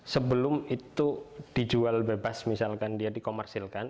sebelum itu dijual bebas misalkan dia dikomersilkan